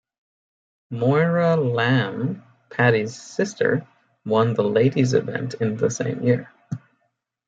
Moira Lambe, Paddy's sister, won the ladies' event in the same year.